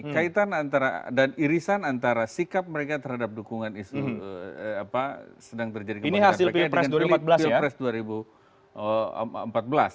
kaitan antara dan irisan antara sikap mereka terhadap dukungan isu sedang terjadi kebangsaan pks dengan pilpres dua ribu empat belas